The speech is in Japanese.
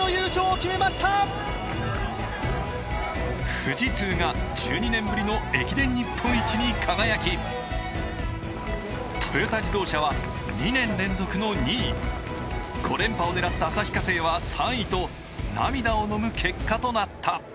富士通が１２年ぶりの駅伝日本一に輝、トヨタ自動車は２年連続の２位、５連覇を狙った旭化成は３位と涙をのむ結果となった。